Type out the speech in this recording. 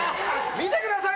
見てください